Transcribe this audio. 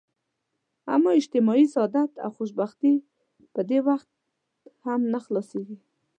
اما اجتماعي سعادت او خوشبختي په دې وخت هم نه حلاصیږي.